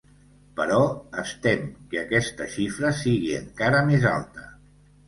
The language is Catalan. Però es tem que aquesta xifra sigui encara més alta.